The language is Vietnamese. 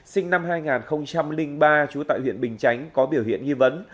sinh năm hai nghìn ba trú tại huyện bình chánh có biểu hiện nghi vấn